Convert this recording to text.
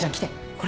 これ。